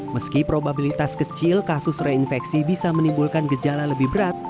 meski probabilitas kecil kasus reinfeksi bisa menimbulkan gejala lebih berat